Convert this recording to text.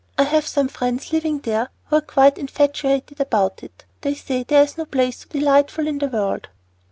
I have some friends living there who are quite infatuated about it. They say there is no place so delightful in the world."